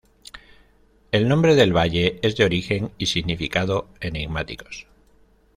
El nombre del valle es de origen y significado enigmáticos.